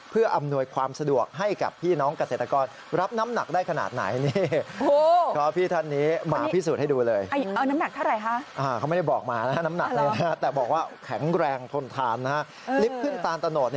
เพื่ออำนวยความสะดวกให้กับพี่น้องเกษตรกร